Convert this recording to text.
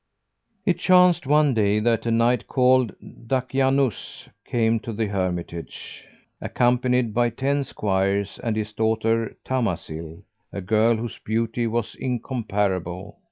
It chanced one day, that a Knight called Dakianús[FN#428] came to the hermitage, accompanied by ten squires and his daughter Tamásil, a girl whose beauty was incom parable.